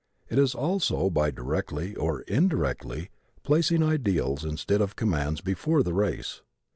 It is also by directly, or indirectly placing ideals instead of commands before the race.